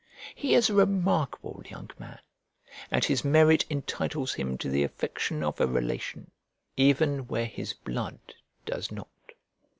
He is a remarkable young man, and his merit entitles him to the affection of a relation, even where his blood does not.